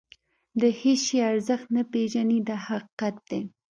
د هېڅ شي ارزښت نه پېژني دا حقیقت دی.